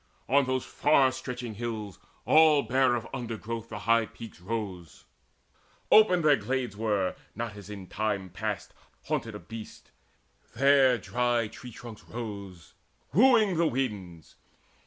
On those far stretching hills All bare of undergrowth the high peaks rose: Open their glades were, not, as in time past, Haunted of beasts: there dry the tree trunks rose Wooing the winds.